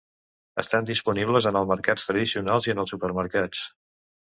Estan disponibles en els mercats tradicionals i en els supermercats.